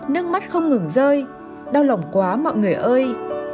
nước mắt không ngừng rơi đau lòng quá mọi người ơi